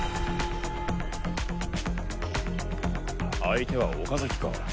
相手は岡崎か。